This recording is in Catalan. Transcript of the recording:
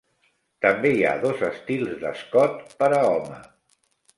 També hi ha dos estils d'escot per a home.